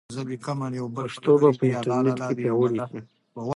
پښتو به په انټرنیټ کې پیاوړې شي.